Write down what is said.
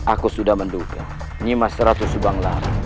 aku sudah menduga nyima seratus subanglarang